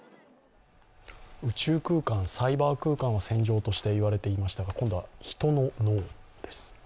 宇宙空間、サイバー空間を戦場として言われていましたが今度は人の脳です。